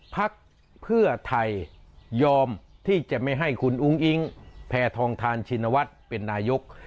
พักเพื่อไทยยอมที่จะไม่ให้คุณอุ้งอิงแพทองทานชินวัฒน์เป็นนายก